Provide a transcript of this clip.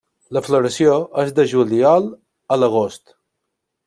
La floració és de juliol a l'agost.